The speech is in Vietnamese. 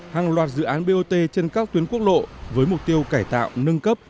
hàng loạt dự án bot trên các tuyến quốc lộ với mục tiêu cải tạo nâng cấp